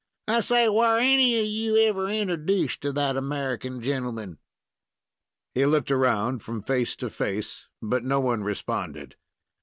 "I say, war any of you ever introduced to that American gentleman?" He looked around, from face to face, but no one responded.